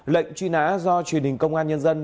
lệnh truy nã do truyền hình công an nhân dân